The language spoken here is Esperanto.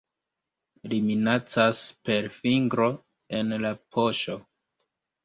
Li minacas per fingro en la poŝo.